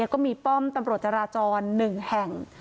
ก็มีป้อมตำรวจจราจร๑แห่ง